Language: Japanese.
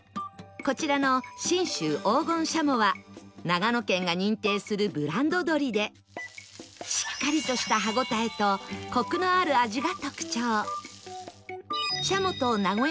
こちらの信州黄金シャモは長野県が認定するブランド鶏でしっかりとした歯応えとコクのある味が特徴